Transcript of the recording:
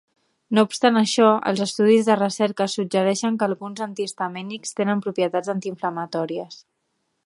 No obstant això, els estudis de recerca suggereixen que alguns antihistamínics tenen propietats antiinflamatòries.